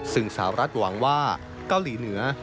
ซึ่งสาวรัฐหวังว่าเกาหลีเหนือ